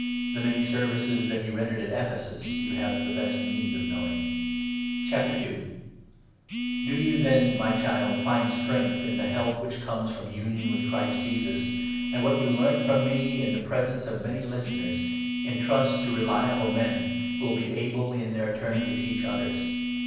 The many services that he rendered at Ephesus you have the best means of knowing. II. — INJUNCTIONS TO TIMOTHY. The service of ^° vou> tnen> my Child, find strength in the i the Good help which comes from union with Christ Jesus ; New*. an(j wnat you learnt from me, in the presence of 2 many listeners, entrust to reliable men, who will be able in their turn to teach others.